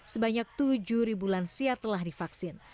sebanyak tujuh lansia telah divaksin